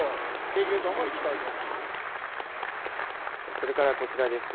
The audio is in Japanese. それからこちらです。